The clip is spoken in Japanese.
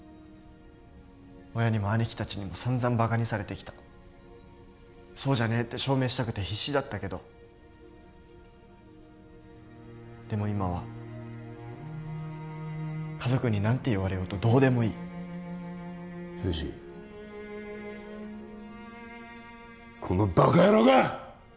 親にも兄貴達にもさんざんバカにされてきたそうじゃねえって証明したくて必死だったけどでも今は家族に何て言われようとどうでもいい藤井このバカ野郎が！